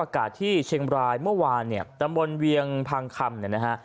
ที่เชียงบรายเมื่อวานเนี่ยตำบลเวียงพังคำเนี่ยนะฮะ